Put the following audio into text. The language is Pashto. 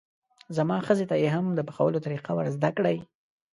زما ښځې ته یې هم د پخولو طریقه ور زده کړئ.